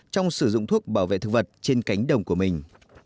trong sử dụng thuốc bảo vệ thực vật trên cánh đồng của mình